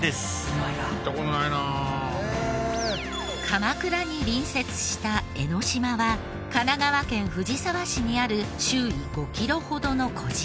鎌倉に隣接した江の島は神奈川県藤沢市にある周囲５キロほどの小島。